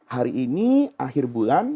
hari ini akhir bulan